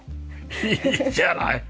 いいじゃない。